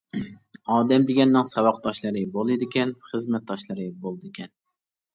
ئادەم دېگەننىڭ ساۋاقداشلىرى بولىدىكەن، خىزمەتداشلىرى بولىدىكەن.